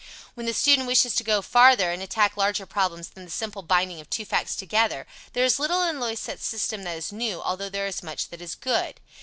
When the student wishes to go farther and attack larger problems than the simple binding of two facts together, there is little in Loisette's system that is new, although there is much that is good.